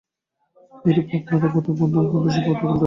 এইরূপ আপনারাও পূর্ব হইতেই পূর্ণস্বভাব, অনন্তকাল ধরিয়া পূর্ণই আছেন।